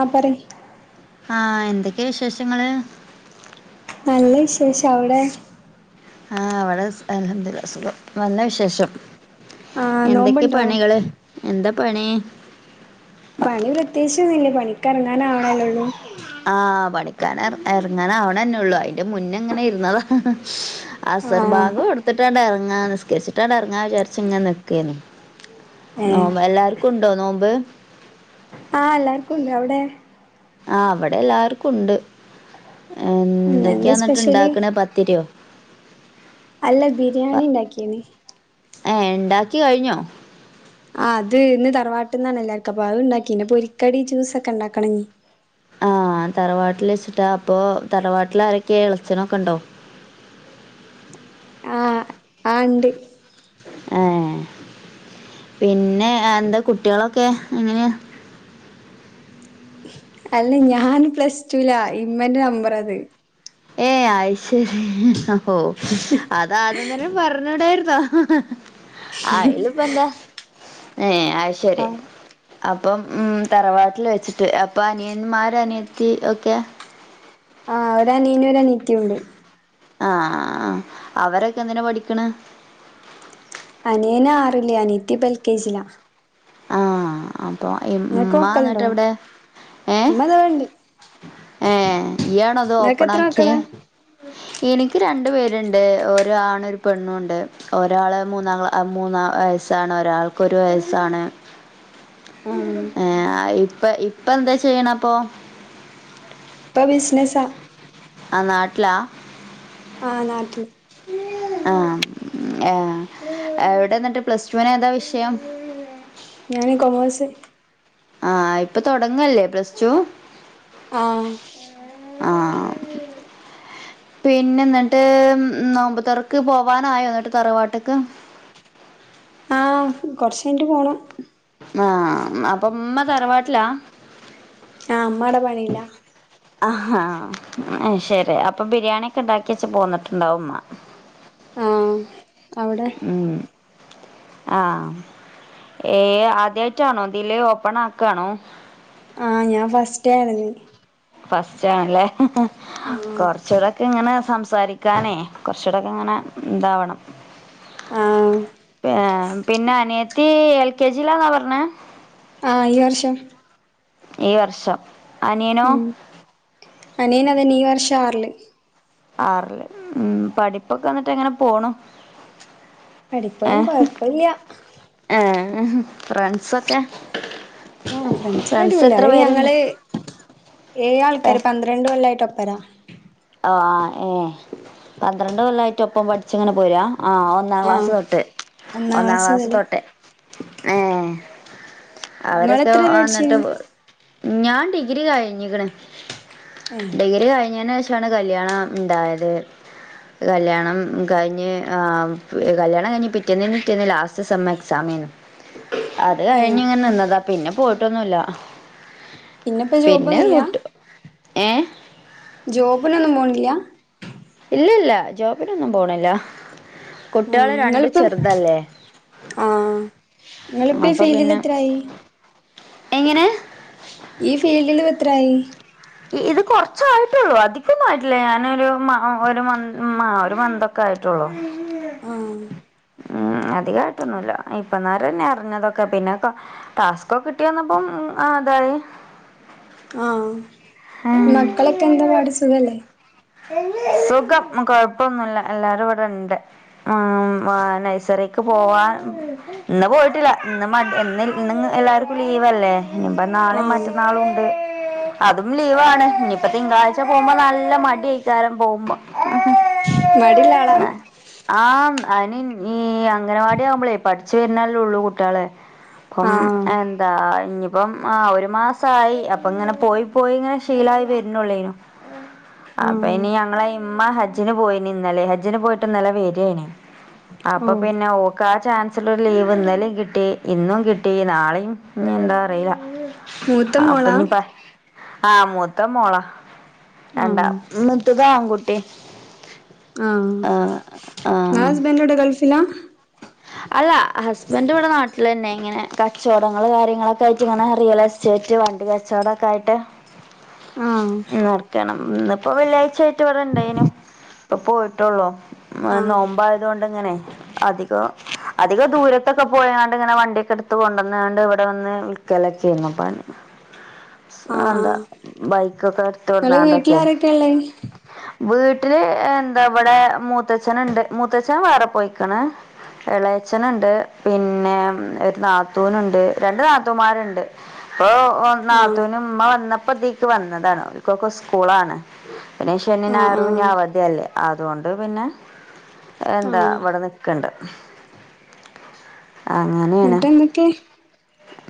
ആ പറയ് ആ എന്തൊക്കെയാ വിശേഷങ്ങള് നല്ല വിശേഷ അവിടെ ആ ഇവിടെ അലഹദില്ല സുഖം നല്ല വിശേഷം ആ എന്തൊക്കെ നോമ്പുണ്ടോ പണികള് എന്താ പണി പണി പ്രത്യേകിച്ചൊന്നില്ലേ പണിക്കറങ്ങാാനാവണല്ലോള്ളൂ ആ പണിക്കാന ഇറങ്ങാന ആണെന്നെ ഉള്ളു അയിന്റെ മുന്നെ എങ്ങനെ ഇരുന്നതാ ആ അസർബാഗും കൊടുത്തിട്ടാണ്ട് ഇറങ്ങാ നിസ്കരിച്ചിട്ടാണ്ട് ഇറങ്ങാ വിചാരിച്ച ഇങ്ങനെ നിക്കെന്ന് ഏ നോമ്പ് എല്ലാർക്കും ഉണ്ടോ നോമ്പ് ആ എല്ലാർക്കും ഉണ്ട് അവിടെ ആ അവിടെ എല്ലാവർക്കും ഉണ്ട് എന്താ എന്തൊക്കെയാ എന്നിട്ട് സ്പെഷ്യല് ഇണ്ടാക്കണേ പത്തിരിയോ അല്ല ബിരിയാണി ഉണ്ടാക്കിനി ഏ ഉണ്ടാക്കി കഴിഞ്ഞോ ആ് അത് ഇന്ന് തറവാട്ട്ന്നാണല്ലാർക്ക അപ്പൊ അത് ഉണ്ടാക്കി പൊരിക്കടി ജ്യൂസൊക്കെ ഉണ്ടാക്കണം ആ തറവാട്ടിൽ വെച്ചിട്ടാ അപ്പൊ തറവാട്ടിൽ ആരൊക്കെ ഇളച്ചനൊക്കെ ഉണ്ടോ ആണ്ട് ഏ പിന്നെ എന്താ കുട്ടികളൊക്കെ എങ്ങനെയ അല്ല ഞാൻ പ്ലസ് ടുലാ ഇമ്മന്റെ നമ്പർ അത് ഏയ് ആ ശരിഹോ അത് ആദ്യം തന്നെ പറഞ്ഞകൂടായിരുന്നോ ആയല ഇപ്പ എന്താ ഏ ആ ശരി അപ്പം ഉ തറവാട്ടിൽ വെച്ചിട്ട് അപ്പൊ അനിയന്മാര അനിയത്തി ഒക്കെ ആ ഒരാ അനിയാനും ഒരാ അനിയാത്തിണ്ട് ആ അവരൊക്കെ എന്തിനാ പഠിക്കണ് അനിയനാറില് അനിയത്തിപൊ എൽക്കേജില ആഹ അപൊ ഇമ്മ മക്കളുണ്ടോ ഇന്ന്ട്ടെവ്ടെ ഏഹ് ഇമ്മ ദാ ഇണ്ട് ഏഹ ഇയ്യാണോ ഇത് നിങ്ങക്ക് എത്ര ഓപ്പണാക്കിയെ മക്കളാ എനിക്ക് രണ്ട് പേര്ണ്ട് ഒരാണും ഒരു പെണ്ണുണ്ട്. ഒരാള് മൂന്നാം ക്ലാ മൂന്നാ വയസ്സാണ് ഒരാൾക്കൊരു വയസ്സാണ് ആഹ് ഏഹ ഇപ്പ ഇപ്പെന്താ ചെയ്യ്ണപ്പൊ പ. വിസ്നസാ ആ നാട്ട്ലാ ആഹ നാട്ടില് ആ ആ എവിടെ ഇന്ന്ട്ട്. പ്ലസ് ടൂനേതാ വിഷയം ഞാന് കൊമേഴ്സ് ആഹ് ഇപ്പൊ തൊടങ്ങല്ലേ പ്ലസ് റ്റൂ ആഹ് ആഹ് പിന്നെ ന്നട്ട് നോമ്പ്തൊറക്ക് പോവാനായോ ന്നട്ട് തറവാട്ട്ക്ക് ആഹ് കൊർച്ചെയ്ന്ട്ട് പോണം ആഹ് അപ്പം മ്മ തറവാട്ട്ലാ ആഹ് ഇമ്മാടെ പണീലാ അഹ് ഹാ അയ്ശെരി അപ്പൊ ബിര്യാണിക്കെ ഇണ്ടാക്ക്യെച്ച് പോന്ന്ട്ട്ണ്ടാവും മ്മാ അവ്ടെ ആഹ് ഏഹ് ആദ്യായ്റ്റാണൊ തില് ഓപ്പണാക്കാണോ? ആഹ് ഞാൻ ഫസ്റ്റായ്ര്ന്ന് ഫസ്റ്റ് ആണ് അല്ലെ ആഹ് കൊറ്ച്ചൂടൊക്കെ ഇങ്ങെനെ സംസാ സാരിക്കാനെ കൊർച്ചൂടെക്കെ ഇങ്ങെനെ ഇതാവെണം ആഹ് പിന്നെ പിന്നെ അനിയെത്തി എൽ കെ ജീലാന്നാ പർണെ ആഹ് ഈ വർഷം ഈ വർഷം. അനിയനോ? അനിയെന് അതെന്നെ ഈ വർഷം ആറ്ല് ആറ്ൽ ഉം പഠിപ്പൊക്കെ ഇന്നെട്ട് എങ്ങനെ പോണു പഠിപ്പൊന്നും കൊഴപ്പ ഇല്ല്യാ ഫ്രൻസൊക്കെ ആഹ് ഫ്രൻസൊക്കെ അടിപൊളിയാ. അയ് ഞങ്ങെൾ ഏഴ് ആൾക്കാര് ആഹ് പന്ത്രണ്ട് കൊല്ലായിട്ടൊ പ്പരാ ആഹ് ഏഹ് പന്ത്രണ്ട് കൊല്ലായിട്ട് ഒപ്പം പഠിച്ച് ഇങ്ങെനെ പോരാ ആഹ് ഒന്നാം ക്ലാസ് ആഹ് തൊട്ട്. ഒന്നാം ക്ലാസ് തൊട്ടെ ഏഹ് നിങ്ങള് അവരൊക്കെ എത്ര വരെ വന്ന്ട്ട് പഠിച്ചീന് വ് ഞാൻ ഡിഗ്രി കഴ്ഞ്ഞ്ക്ക്ണ് ഏഹ് ഡിഗ്രി കഴിഞ്ഞെന്ഷാണ് കല്യാണം ഇണ്ടായെത് കല്യാണം കഴിഞ്ഞ് ആഹ് കല്യാണം കഴിഞ്ഞ് പിറ്റേന്നിന്റെ പിറ്റേന്ന് ലാസ്റ്റ് സെമ് എക്സാമ് നു അത് ഏഹ് കഴിഞ്ഞ് ഇങ്ങെനെ നിന്നതാ. പിന്നെ പോയിട്ടൊന്നുല്ല പിന്നെപ്പോ ജോബ് ഒന്നും പിന്നെ ഇല്ല കുട്ട് ഏഹ് ജോബിനൊന്നും പോണ് ഇല്ല ഇല്ല ഇല്ല ജോബിനൊന്നും പോണ് ഇല്ല. കുട്ടെൾ ആഹ് രണ്ടും ഇങ്ങളിപ്പം ചെറ്ത് അല്ലെ ആഹ് ഇങ്ങളിപ്പൊ ഈ ഫീൽഡിൽ എത്രായി എങ്ങെനെ ഈ ഫീൽഡിൽ ഇപ്പം എത്രായി? ഇത് കൊർച്ചായിട്ടൊള്ളു അധികൊന്നും ആയിട്ടില്ല. ഞാനൊരു മ ഒരുമൻ ഒര് മന്തൊക്കെ ആയി ട്ടൊള്ളു ആഹ് അധികായ്ട്ടൊന്നുല്ല ഇപ്പന്നാരെന്നെ അർഞ്ഞതൊക്കെ പിന്നെ ടാസ്ക്കൊക്കെ കിട്ടിവന്നപ്പം അതായി ആഹ് ഉം മക്കളൊക്കെ എന്താ പാട് സുഖല്ലെ? സുഖം കൊഴപ്പൊന്നുല്ല എല്ലാരും ഇവടണ്ട് ഉം ആഹ് നെയ്സറിക്ക് പോവാൻ ഇന്ന് പോയ്ട്ട്ല്ല ഇന്ന് മടി ഇന്ന് ഇന്ന് എല്ലാർക്കു ലീവല്ലെ ഇനിപ്പ നാളീം, ആഹ് മറ്റന്നാളുണ്ട് അതും ലീവാണ് ഇനിപ്പ തിങ്കളാഴ്ച പോവുമ്പ നല്ല മടിയ് ക്കാരം പോവുമ്പം മടിള്ള ആളാ ആഹ് അയ്ന് ഈ അംഗനവാടി ആവുമ്പളേ പഠിച്ച് വെര്നലേള്ളു കുട്ട്യാള് അപ്പം ആഹ് എന്താ ഇഞ്പ്പം ആഹ് ഒരു മാസായി അപ്പങ്ങനെ പോയി പോയി ഇങ്ങനെ ശീലായി വര്നോള്ളേനു അപ്പ ആഹ് ഇനി ഞങ്ങളിമ്മ ഹജ്ജിന് പോയിനി ഇന്നലെ ഹജ്ജിന് പോയിട്ട് ഇന്നലെ വരെണി അപ്പൊ ഓഹ് പിന്നെ ഓ കാ- ചാൻസലർ ലീവ് ഇന്നലേകിട്ടി ഇന്നും കിട്ടി നാളെയും ഇനിന്താ അറിയില്ല മൂത്ത മോളാ ആഹ് മൂത്തമോള ആഹ് മൂത്തതാങ്കുട്ടി ആഹ് ഇങ്ങടഹസ്ബെൻഡെവിടെ ഗൾഫിലാ അല്ല ഹസ്ബൻഡിവിടെ നാട്ടിലെന്നെ ഇങ്ങനെ കച്ചവടങ്ങൾ കാര്യങ്ങളൊക്കായിറ്റിങ്ങനെ റിയലെസ്റ്റേ- റ്റ് വണ്ടികച്ചോടൊക്കായിട്ട് ആഹ് നടക്കാണ് ഇപ്പൊ വെള്ളിയാഴ്ചായിട്ട് ഇവിടെ ഇണ്ടായിനു ഇപ്പൊ പോയിട്ടോള്ളു ആഹ് നോമ്പായതോണ്ടിങ്ങനെ അധികോ അധികം ദൂരത്തൊക്കെ പോയങ്ങാണ്ടിങ്ങനെ വണ്ടിക്കെടുത്ത് കൊണ്ട്ന്നാണ്ട് ഇവിടെവന്ന് വിക്കലൊക്കെ ആയ്ന്നപ്പ ആഹ് എന്താ ആഹ് ബൈക്കൊക്കെ ഇങ്ങളെ എടുത്ത്കൊണ്ടന്നാണ്ടൊക്കെ വീട്ടിലാരൊക്കെള്ളേ വീ ട്ടില് എന്താവിടെ മൂത്തച്ഛന്ണ്ട് മൂത്തച്ഛൻ വേറെപോയിക്കണ് ഇളയച്ചന്ണ്ട് പിന്നെ ഒരു നാത്തൂനുണ്ട് രണ്ട്നാത്തുന്മാരെണ്ട് അപ്പോ ഒന്നാ ആഹ് അമ്മ വന്നപ്പൊ തീക്ക് വന്നതാണ് അവര്ക്കൊക്കെ സ്കൂളാണ് പിന്നെശനി ആഹ് ഞായറു ഇനി ആഹ് അവധിഅല്ലേ അതുകൊണ്ട് പിന്നെ എന്താ ആഹ് ഇവടെ നിക്കണ്ട് അങ്ങനെയാണ് എന്നിട്ട് എന്തൊക്കെ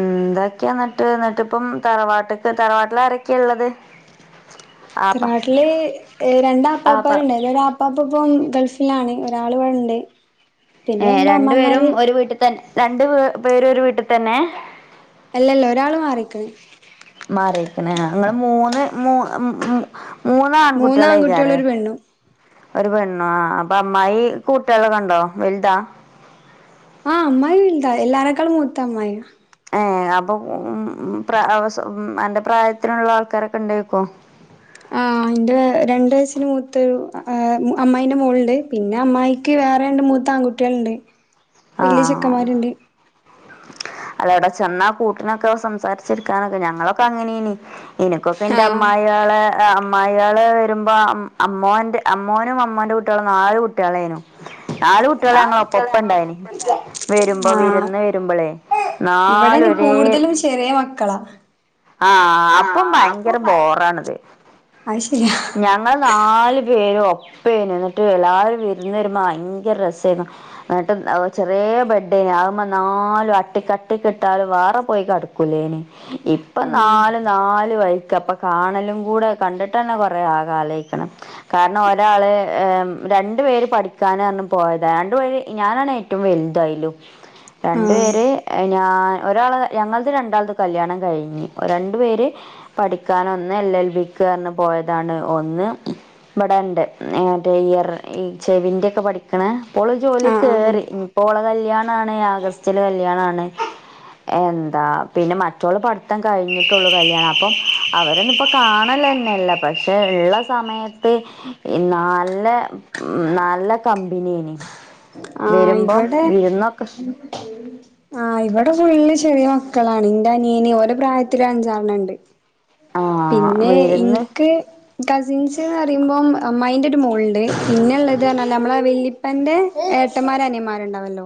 എന്തെക്കെയാന്നിട്ട് എന്നിട്ടിപ്പം തറവാട്ട്ക്ക് തറവാട്ടിലാരെക്ക്യ ഇള്ളത് തറവാട്ടില് ആപ്പ രണ്ടാപ്പാപ്പാരുണ്ടാര്ന്ന് ഒര് അപ്പാപ്പിപ്പം ഗൾഫിലാണ് ഒരാളിവിട്ണ്ട് ഏഹ് രണ്ടുപേരും ഒരു വീട്ടിതന്നെ രണ്ട് പേ പേരുരൊരുവീട്ടിതന്നേ അല്ലല്ല ഒരാള് മാറിക്കണ് മാറിക്കണ് ഇങ്ങള് മൂന്ന് മൂ മ് ഇം മൂന്ന് ആൺകുട്ടികളും ആൺകുട്ടികളേക്കാറ് ഒരു പെണ്ണും ഒരു പെണ്ണു ആഹ് അപ്പം അമ്മായി കൂട്ടിളെ ക ണ്ടോ വൽതാ ആഹ് അമ്മായി വെൽതാ എല്ലാരേക്കാളും മൂത്ത അമ്മായിയ ഏഹ് അപ്പൊ ഉം പ്ര അവ അന്റെ പ്രായത്തിനൊള്ള ആൾക്കാരൊക്കെ ഇണ്ടാരിക്കൊ ആഇൻ്റെ രണ്ട് യസിന് മൂത്തൊരു ആ അമ്മായിൻ്റെ മോള്ണ്ട് പിന്നെ അമ്മായിക്ക് വേറെണ്ട് മൂ ത്താൺകുട്ടിളിണ്ട് വലിയ ചെക്കന്മാരിണ്ട് അല്ലവിടെ ചെന്നാ കൂട്ടിനൊക്കെ സംസാരിച്ചിരിക്കാനൊക്കെ ഞങ്ങളൊക്കെ അങ്ങനേയ്നി എനിക്കൊക്കെന്റെ ആഹ് അമ്മായേളെ അമ്മായികള് വരുമ്പോ അം അമ്മോന്റെ അമ്മോനും അമ്മോന്റെ കുട്ട്യോളും നാല് കുട്ട്യളായ്നു നാല് കുട്ടികള ഞങ്ങളൊപ്പപ്പം ഇണ്ടായേന് വരുമ്പോ ആഹ് വിരുന്ന് വെരുമ്പോളേ ഇവിടെ നാല് ഇനി ഒരേ കൂടുതലും ചെറിയ മക്കളാ ആ അപ്പം ഭയങ്കര ബോറാണത് അത് ശരിയാ ഞങ്ങള് നാല് പേ രും ഒപ്പേനു എന്നിട്ട് എല്ലാവരും വിരുന്ന് വരുമ്പോ ഭയങ്കര രസേയിരുന്നു എന്നിട്ട് [unintelligible] ചെറിയ ബെഡേന് ആകുമ്പ നാലും അട്ട് കട്ടി കിട്ടാലും വേറെ പോയി കടക്കൂലേന് ഇപ്പം ആഹ് നാല് നാല് വൈ ക്കപ്പ കാണലും കൂടെ കണ്ടിട്ട് തന്നെ കൊറേ കാ കാലോയിക്കണ് കാരണം ഒരാള് രണ്ടു പേര് പഠിക്കാനാണ് പോയത് രണ്ടു പേര് ഞാനാണ് ഏ റ്റവും വലുതായിലു രണ്ടു ആഹ് പേര് ഏ ഞാൻ ഒരാൾ ഞങ്ങളത് രണ്ടാൾത് കല്യാണം കഴിഞ്ഞ് രണ്ടു പേര് പഠിക്കാന ഒന്ന് എൽ എൽ ബിക്ക് കയറന്ന് പോയതാണ് ഒന്ന് ഇബടണ്ട് ഹേ ഇയർ ചെവിന്റെ ഒക്കെ പഠിക്ക്‌ണേ ഓള് ജോലി ആഹ് ആഹ് കേറി ഓളെ കല്യാണാണ് ആഗസ്റ്റ്ല് കല്യാണാണ് എന്താ പിന്നെ മറ്റോൾ പഠിത്തം കഴിഞ്ഞിട്ടുള്ളൂ കല്യാണം അപ്പം അവരോന്നും ഇപ്പോ കാണാൻ ന്നല്ല പക്ഷെ ഇള്ള സമയത്ത് നല്ല നല്ല ബിനെനി ആ ഇവിടെ ആ ഇവിടെ ഫുള്ള് ചെറീ ക്കളാണ് ഇന്റെ അനിയന് ഓലെ പ്രായത്തിലും അഞ്ചാറണം ഇണ്ട് ആഹ് പിന്നെ വിരുന്ന് ഇൻക്ക് കസിൻസ് എന്ന് പറയുമ്പം അമ്മായിന്റൊരു മോൾണ്ട് പിന്നെള്ളത് പറഞ്ഞ നമ്മളെ വെല്ലിപ്പന്റെ ഏട്ട ട്ടന്മാര് അനിയൻന്മാര്ണ്ടാവല്ലോ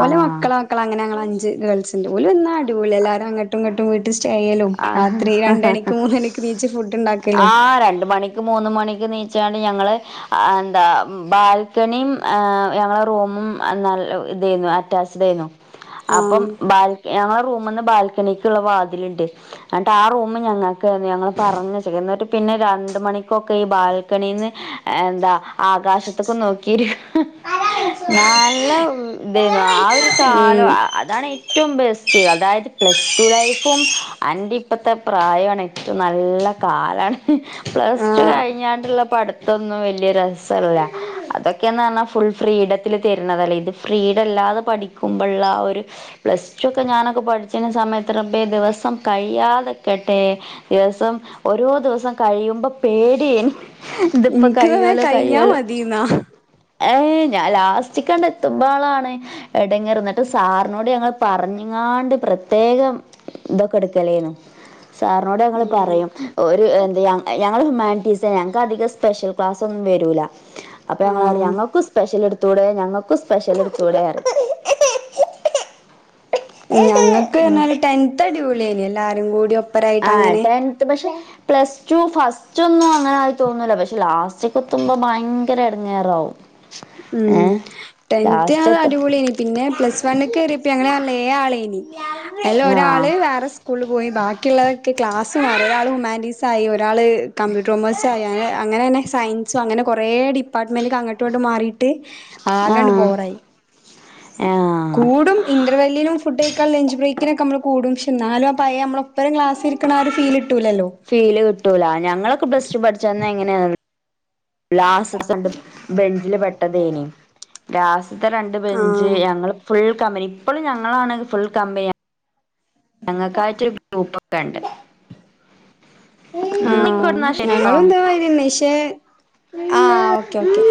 ഓലെ മക്കളെ മക്കള അങ്ങനെ ഗേൾസിന്റെ ഓലന്നും അടിപൊളി എല്ലാരും അങ്ങട്ടും ഇങ്ങട്ടും വീട്ട് ആ ഹാ ഹാ മൂന്നണിക്ക് നീച്ച് ഫുഡ് ആ ഇണ്ടാക്കലും രണ്ട് മണിക്കും മൂന്ന് മണിക്കും നീ ച്ചാണ്ട് ഞങ്ങള് എന്താ ബാൽകെണിം ഞങ്ങളെ റൂമും എ ഇതെന്നു അറ്റാച്ച്ഡ് ഏന്നു അപ്പം ആഹ് ബാൽ ഞങ്ങളെ റൂമ്ന്ന് ബാൽക്കണിക്ക്ള്ള വാതില്ണ്ട് ന്നട്ട് ആ റൂം ഞങ്ങൾക്ക് ഏയ്രുന്നു ഞങ്ങള് പറഞ് ചകെയ്നു എന്നിട്ട് പിന്നെ രണ്ട് മണിക്കൊക്കെ ഈ ബാൽക്കണി ന്ന് എന്താ ആകാശത്ത്ക്കും നോക്കി നല്ല ഇതെന്നു ആ രു കാലം ഉം അതാണ് ഏറ്റവും ബെസ്റ്റ് അതായത് പ്ലസ് ടു ലൈഫും അന്റെ ഇപ്പത്തെ പ്രായണ് ഏറ്റവും നല്ല കാലാണ് പ്ലസ് ടു ആഹ് കഴിഞ്ഞാണ്ട്ള്ള അട്ത്തൊന്നും വൽയ രസല്ല അതൊക്കെന്ന് പറഞ്ഞാ ഫുൾ ഫ്രീഡത്തില് തരുന്നതല്ലേ ഇത് ഫ്രീഡം അല്ലാതെ പഠിക്കുമ്പള്ള ആ ഒരു പ്ലസ് ടു ഒക്കെ ഞാനൊക്കെ പഠിചീനെ സമയത്ത് റബ്ബേ ദിവസം കഴിയാതെക്കട്ടെ ദിവസം ഓരോ ദിവസം കഴിയുമ്പം പേടിയേനി ഇത്പ്പ ഇൻക്ക് തന്നെ കഴിയോലോ കഴിഞ്ഞാ കഴിയോലോ മതീന്നാ ഏ ഞാൻ ലാസ്റ്റ്ക്കണ്ട് എത്തുമ്പോളാണ് എടങ്ങേറ് ഇങ്ങട്ട് സാറിനോട് ഞങ്ങള് പറഞ്ഞു ന്നാണ്ട് പ്രത്യേകം ഇതൊക്കെ ഇട്ക്കലേനു സാറിനോട് ഞങ്ങള് ഉം പറയും എന്താ ഞങ്ങള് ഹ്യുമാറ്റീസാ ഞങ്ങൾക്ക് അതികം സ്പെഷ്യൽ ക്ലാസൊന്നും വരൂല്ല അപ്പൊ ഞങ്ങറിം ആഹ് ഞങ്ങക്ക് സ് സ്പെഷ്യല് എടുതൂടെ ഞങ്ങൾക്കും സ്പെഷ്യൽ എടുതൂടെ അറിം ഞങ്ങക്ക്ർഞ്ഞാല് ടെൻത്ത് അടിപൊളിയെനി എല്ലാരും കൂടി ഒപ്പരായിട്ട് ആ അങ്ങനെ ടെൻത്ത് പക്ഷെ പ്ലസ് ടു ഫസ്റ്റ് ഒന്നും അങ്ങനെ ആയി തോന്നൂല പക്ഷെ ലാസ്റ്റ് കെത്തുമ്പോ ഭയങ്കര എടങ്ങേറാവും ഉം ഏ ടെൻത് ലാസ്റ്റ് ഞങ്ങക്ക്‌ എത്ത അടി പൊളി ഏനി പിന്നെ പ്ലസ് വൺക്കെറിയപ്പം ഞങ്ങ ഏഴാളെനി അയ്ൽ ആ ഒരാള് വേറെ സ്കൂള് പോയി ബാക്കിള്ളവർക്ക് ഒരാള് ഹുമാന്റിസ്സായി ഒരാള് കമ്പ്യൂട്ടർ കോമേഴ്‌സായി അങ്ങനെ സയൻസും അങ്ങനെ കൊറേ ഡിപ്പാർട്ട്മെന്റ്ക്ക്‌ അങ്ങട്ടും ഇങ്ങട്ടും മാറിട്ട് ആകാണ്ട് ആഹ് ബോറായി ആഹ് കൂടും ഇൻഡ്രവല്ലിനും ഫുഡ് ഒക്ക ലന്ജ് ബ്രേക്കിനൊക്കെ നമ്മള് കൂടും ഷേ എന്നാലും പയെ നമ്മളെ ഒപ്പം ക്ലാസ്സിരിക്ണ ആ ഒരു ഫീല് ഫീല് കിട്ടൂല ഞങ്ങളൊക്കെ പ്രസ്റ്റു പഠിചെന്ന് എങ്ങനെ ലാസ്റ്റ് ത്തെ ബെഞ്ചില് പെട്ടതേനി ലാസ്സ് ഇത്തെ രണ്ട് ബെഞ്ച് ആഹ് ഞങ്ങള് ഫുൾ കമ്പനി ഇപ്പളും ഞങ്ങളാണ് ഫുൾ കമ്പനി ഞങ്ങക്കായ്റ്റ് ഒരു ഗ്രൂപ്പകണ്ട് ആ ശരിട്ടോ ഞങ്ങളും ഇതേ മതിരെന്നെ ക്ഷെ ആ ഓക്കെ ഓക്കെ